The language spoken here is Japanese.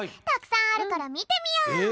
たくさんあるからみてみよう！